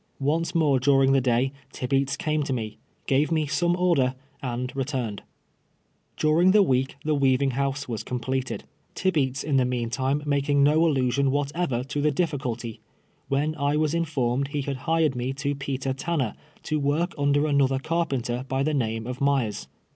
Once more during the day Tibeats came to me, gave me some order, and returned. During the week the weaving house was completed — Tibeats in the meantime making no allusion what ever to the dithculty — when I wa^s informed he had hired me to Peter Tanner, to work under another car penter by the name of Myers.